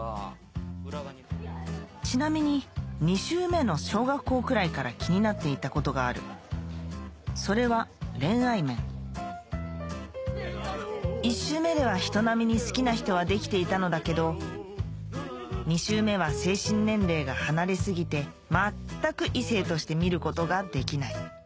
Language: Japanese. ちなみに２周目の小学校くらいから気になっていたことがあるそれは恋愛面１周目では人並みに好きな人はできていたのだけど２周目は精神年齢が離れ過ぎて全く異性として見ることができない